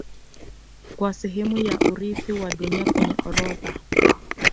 Kama sehemu ya urithi wa Dunia kwenye orodha